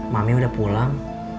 mami udah pulang